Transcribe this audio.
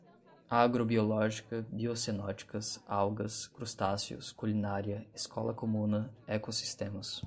agro-biológica, biocenóticas, algas, crustáceos, culinária, escola-comuna, ecossistemas